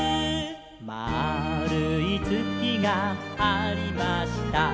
「まあるいつきがありました」